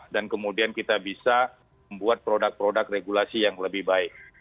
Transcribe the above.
kemudian kita bisa membuat produk produk regulasi yang lebih baik